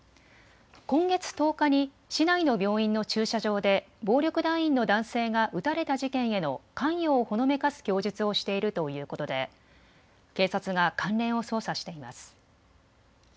今月１０日に市内の病院の駐車場で暴力団員の男性が撃たれた事件への関与をほのめかす供述をしているということで警察が関連を捜査しています。